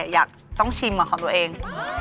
อยากต้องชิมของตัวเอง